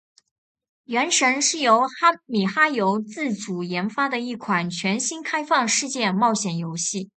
《原神》是由米哈游自主研发的一款全新开放世界冒险游戏。